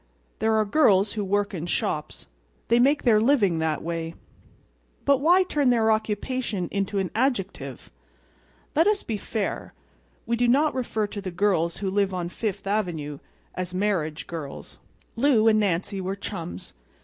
There are girls who work in shops. They make their living that way. But why turn their occupation into an adjective? Let us be fair. We do not refer to the girls who live on Fifth Avenue as "marriage girls." Lou and Nancy were chums.